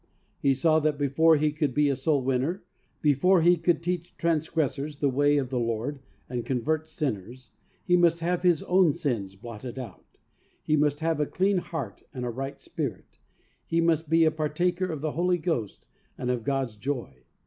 He saw that before he could be a soul winner, before he could teach transgressors the way of the Lord and convert sinners, he must have his own sins blotted out; he must have a clean heart and a right spirit; he must be a partaker of the Holy Ghost and of God's joy.